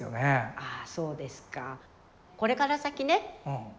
あそうですか。これから先ね